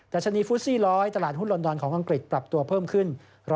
ดัชนีฟุต๔๐๐ตลาดหุ้นลอนดอนของอังกฤษปรับตัวเพิ่มขึ้น๑๐๒๓